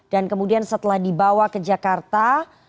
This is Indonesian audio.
dan kemudian setelah dibawa ke jakarta